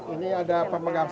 ini ada pak megaksa pak